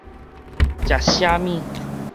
食啥物